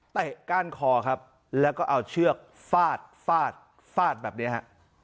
ก้านคอครับแล้วก็เอาเชือกฟาดฟาดฟาดแบบนี้ฮะ